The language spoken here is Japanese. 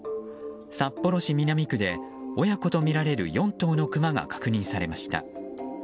札幌市南区で親子とみられる４頭のクマが確認されました。